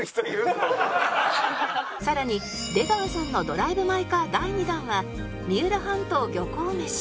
さらに出川さんのドライブ・マイ・カー第２弾は三浦半島漁港メシ